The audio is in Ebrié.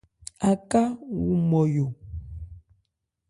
Aká wu Nmɔyo.